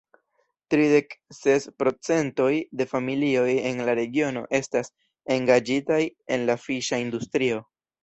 Tridek ses procentoj de familioj en la regiono estas engaĝitaj en la fiŝa industrio.